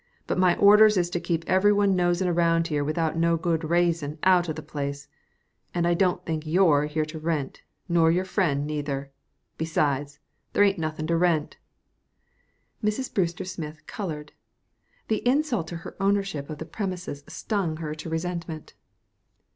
"But my orders is to keep every one nosin' around here without no good raison out of the place and I don't think you're here to rent, nor your friend, neither. Besides, there ain't nothin' to rent." Mrs. Brewster Smith colored. The insult to her ownership of the premises stung her to resentment.